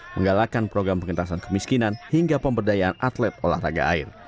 menggalakkan program pengentasan kemiskinan hingga pemberdayaan atlet olahraga air